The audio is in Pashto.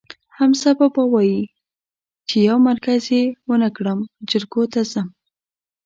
حمزه بابا وایي: چې یو مرگز یې ونه کړم، جرګو ته ځم.